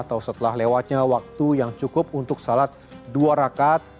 atau setelah lewatnya waktu yang cukup untuk salat dua rakat